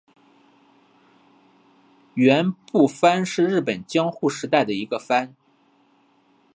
园部藩是日本江户时代的一个藩。